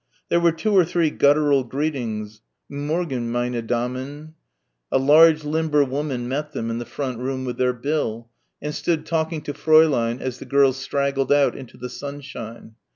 There were two or three guttural greetings "N' Morgen, meine Damen...." A large limber woman met them in the front room with their bill and stood talking to Fräulein as the girls straggled out into the sunshine.